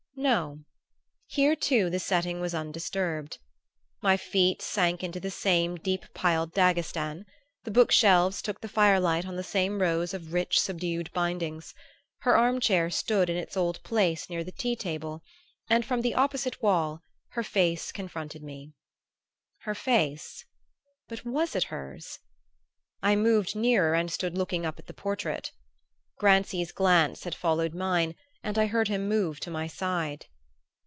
No; here too the setting was undisturbed. My feet sank into the same deep piled Daghestan; the bookshelves took the firelight on the same rows of rich subdued bindings; her armchair stood in its old place near the tea table; and from the opposite wall her face confronted me. Her face but was it hers? I moved nearer and stood looking up at the portrait. Grancy's glance had followed mine and I heard him move to my side.